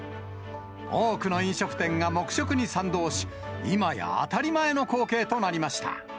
多くの飲食店が黙食に賛同し、今や当たり前の光景となりました。